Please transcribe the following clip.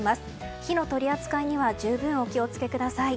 火の取り扱いには十分お気を付けください。